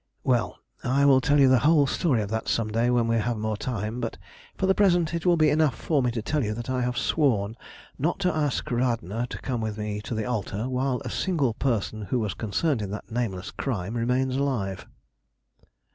Well, I will tell you the whole story of that some day when we have more time; but for the present it will be enough for me to tell you that I have sworn not to ask Radna to come with me to the altar while a single person who was concerned in that nameless crime remains alive.